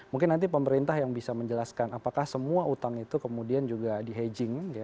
mungkin nanti pemerintah yang bisa menjelaskan apakah semua utang itu kemudian juga di hedging